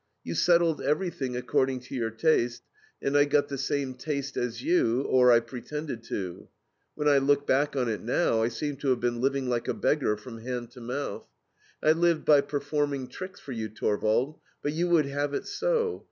You settled everything according to your taste, and I got the same taste as you, or I pretended to. When I look back on it now, I seem to have been living like a beggar, from hand to mouth. I lived by performing tricks for you, Torvald, but you would have it so.